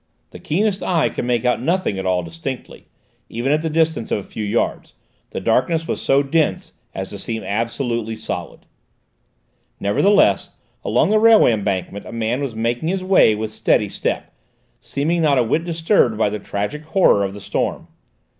The keenest eye could make out nothing at all distinctly, even at the distance of a few yards: the darkness was so dense as to seem absolutely solid. Nevertheless, along the railway embankment, a man was making his way with steady step, seeming not a whit disturbed by the tragic horror of the storm.